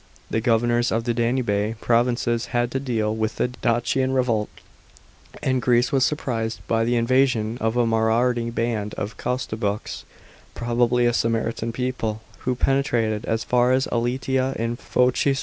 The governors of the Danube provinces had to deal with a Dacian revolt; and Greece was sur prised by the invasion of a marauding band of Kostoboks (probably a Sarmatian people), who penetrated as far as Elatea in Phocis.